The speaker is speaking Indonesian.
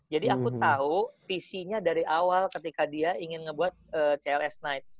jadi aku tahu visinya dari awal ketika dia ingin ngebuat cls nights